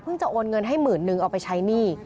จะโอนเงินให้หมื่นนึงเอาไปใช้หนี้